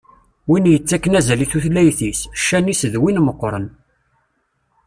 Win yettakken azal i tutlayt-is, ccan-is d win meqqren.